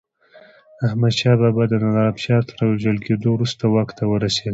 احمدشاه بابا د نادر افشار تر وژل کېدو وروسته واک ته ورسيد.